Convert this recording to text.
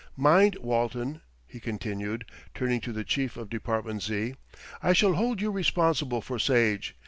Mind, Walton," he continued, turning to the chief of Department Z., "I shall hold you responsible for Sage.